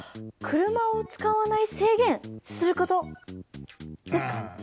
車を使わない制限することですか？